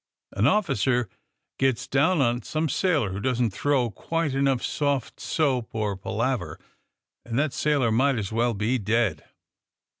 An officer gets down on some sailor who doesn't throw quite enough soft soap and pala ver, and that sailor might as well be dead.